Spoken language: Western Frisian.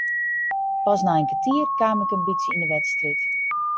Pas nei in kertier kaam ik in bytsje yn de wedstriid.